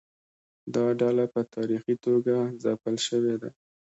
دا ډله په تاریخي توګه ځپل شوې ده.